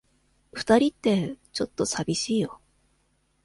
二人って、ちょっと寂しいよ。